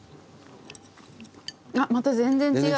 あっまた全然違う。